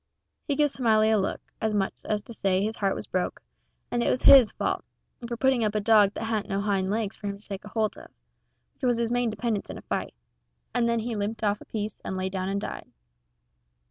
He give Smiley a look, as much as to say his heart was broke, and it was his fault, for putting up a dog that hadn't no hind legs for him to take holt of, which was his main dependence in a fight, and then he limped off a piece and laid down and died.